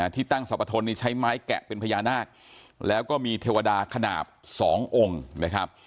ที่ตั้งสรรพทนนี่ใช้ไม้แกะเป็นพญานาคแล้วก็มีเทวดาขนาดสององค์นะครับ